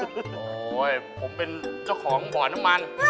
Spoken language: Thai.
เอาล่ะครับผมเป็นเจ้าของหมวดน้ำมัน